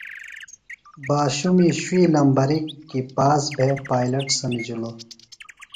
باشُمہ شُوئی نمبر کیۡ پاس بھےۡ پائلٹ سمِجِلوۡ۔